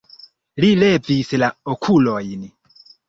Li levis la okulojn.